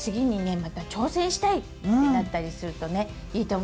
「また挑戦したい」ってなったりするとねいいと思います。